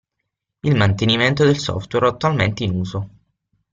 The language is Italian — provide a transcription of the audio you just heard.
Il mantenimento del software attualmente in uso.